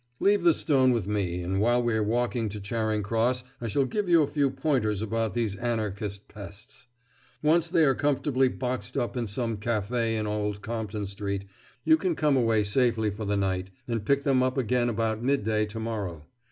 "Leave the stone with me, and while we are walking to Charing Cross I can give you a few pointers about these Anarchist pests. Once they are comfortably boxed up in some café in Old Compton Street you can come away safely for the night, and pick them up again about midday to morrow.